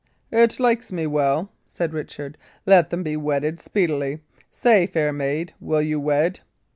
"It likes me well," said Richard. "Let them be wedded speedily. Say, fair maid, will you wed?"